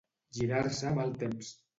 Girar-se mal temps.